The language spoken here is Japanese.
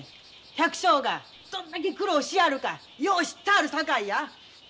百姓がどんだけ苦労しやるかよう知ったあるさかいや。